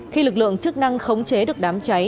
khi lực lượng chức năng khống chế được đám cháy